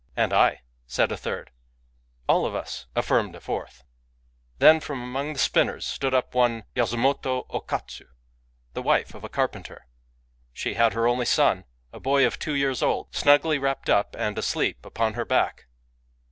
" And I,", said a third. " All of us," affirmed a fourth. ... Then from among the spinners stood up one Yasumoto 0 Katsu, the wife of a carpenter; — she had her only son, a boy of two years old, snugly wrapped up and asleep upon her back.